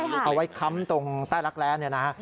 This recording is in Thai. ใช่เอาไว้ค้ำตรงใต้รักแร้น